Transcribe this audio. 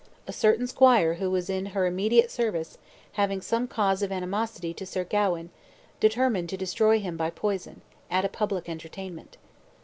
A certain squire who was in her immediate service, having some cause of animosity to Sir Gawain, determined to destroy him by poison, at a public entertainment.